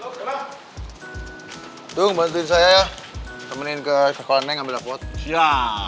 hai tinggung dang dong bantuin saya kemenin ke kolamnya ngambil pot ya